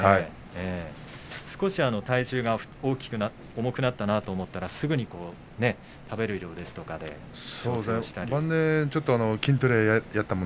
少し体重が大きくなって重くなったなと思ったらすぐに食べる量ですとか調整したり。